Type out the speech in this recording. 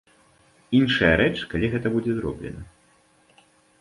Іншая рэч, калі гэта будзе зроблена.